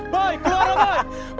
boy keluarlah boy